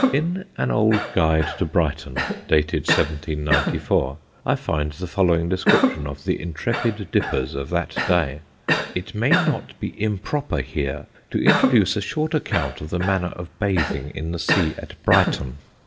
In an old Guide to Brighton, dated 1794, I find the following description of the intrepid dippers of that day: "It may not be improper here to introduce a short account of the manner of bathing in the sea at Brighthelmston.